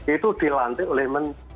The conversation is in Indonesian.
itu dilantik oleh